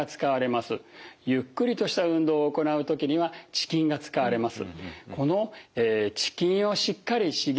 ゆっくりとした運動を行う時には遅筋が使われます。